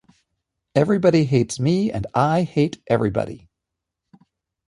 Everybody hates me, and I hate everybody!